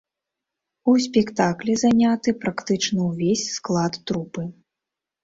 У спектаклі заняты практычна ўвесь склад трупы.